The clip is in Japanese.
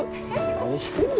何してんの？